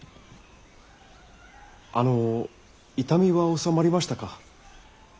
あの痛みは治まりましたか？